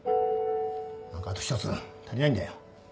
何かあと一つ足りないんだよ。